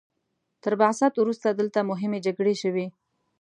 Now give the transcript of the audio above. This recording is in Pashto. تر بعثت وروسته دلته مهمې جګړې شوي.